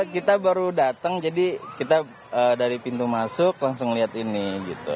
kita baru datang jadi kita dari pintu masuk langsung lihat ini gitu